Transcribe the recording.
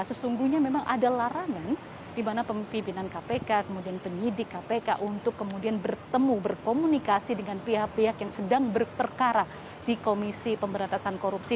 sesungguhnya memang ada larangan di mana pemimpinan kpk kemudian penyidik kpk untuk kemudian bertemu berkomunikasi dengan pihak pihak yang sedang berperkara di komisi pemberantasan korupsi